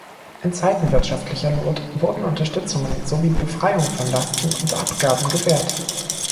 In Zeiten wirtschaftlicher Not wurden Unterstützungen sowie Befreiung von Lasten und Abgaben gewährt.